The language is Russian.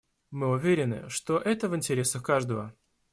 Мы уверены, что это в интересах каждого.